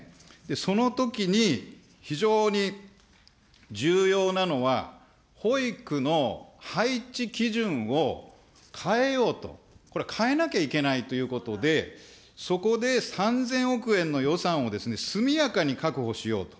そのときに非常に重要なのは、保育の配置基準を変えようと、これ、変えなきゃいけないということで、そこで３０００億円の予算を速やかに確保しようと。